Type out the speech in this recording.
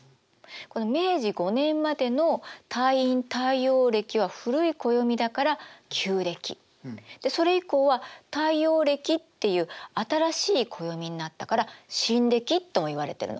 明治５年までの太陰太陽暦は古い暦だから旧暦それ以降は太陽暦っていう新しい暦になったから新暦ともいわれてるの。